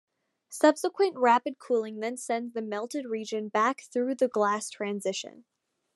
Subsequent rapid cooling then sends the melted region back through the glass transition.